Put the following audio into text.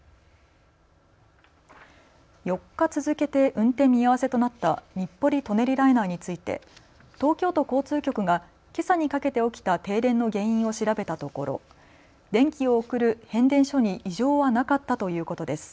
４日続けて運転見合わせとなった日暮里・舎人ライナーについて東京都交通局がけさにかけて起きた停電の原因を調べたところ電気を送る変電所に異常はなかったということです。